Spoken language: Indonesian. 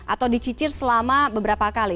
atau dicicir selama beberapa kali